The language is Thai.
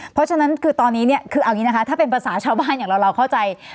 เพราะฉะนั้นคือตอนนี้เนี่ยคือเอาอย่างนี้นะคะถ้าเป็นภาษาชาวบ้านอย่างเราเข้าใจ